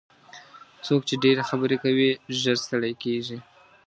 څوک چې ډېرې خبرې کوي ژر ستړي کېږي.